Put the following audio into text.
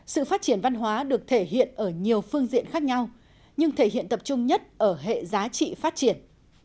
sự phát triển văn hóa được thể hiện ở nhiều phương diện khác nhau nhưng thể hiện tập trung nhất ở hệ giá trị phát triển